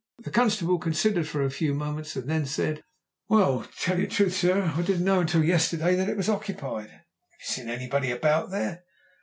The constable considered for a few moments, and then said "Well, to tell you the truth, sir, I didn't know until yesterday that it was occupied." "Have you seen anybody about there?"